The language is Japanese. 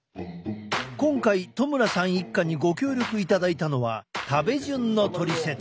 今回戸村さん一家にご協力いただいたのは食べ順のトリセツ！